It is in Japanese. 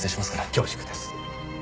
恐縮です。